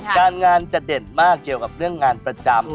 การงานจะเด่นมากเกี่ยวกับเรื่องงานประจำ